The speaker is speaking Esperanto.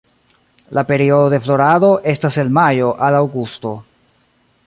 La periodo de florado estas el majo al aŭgusto.